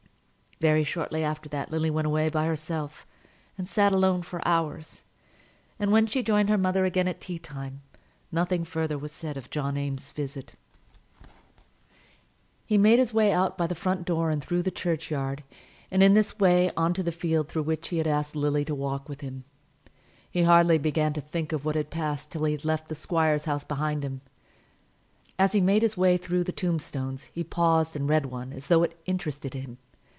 Very shortly after that Lily went away by herself, and sat alone for hours; and when she joined her mother again at tea time, nothing further was said of John Eames's visit. He made his way out by the front door, and through the churchyard, and in this way on to the field through which he had asked Lily to walk with him. He hardly began to think of what had passed till he had left the squire's house behind him. As he made his way through the tombstones he paused and read one, as though it interested him.